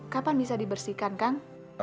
kapan bisa dibersihkan kang